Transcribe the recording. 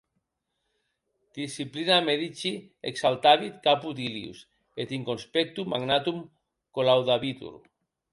Disciplina medici exaltavit caput illius, et in conspectu magnatum collaudabitur.